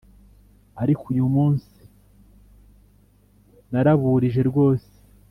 ariko uyu munsi naraburije rwose